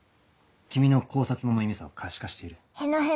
君の考察の無意味さを可視化している。